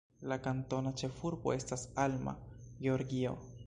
La kantona ĉefurbo estas Alma, Georgio.